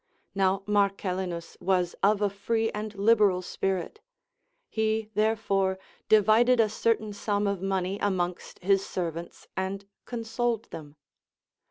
Now Marcellinus was of a free and liberal spirit; he, therefore, divided a certain sum of money amongst his servants, and consoled them.